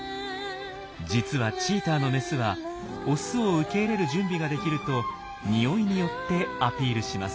実はチーターのメスはオスを受け入れる準備ができると匂いによってアピールします。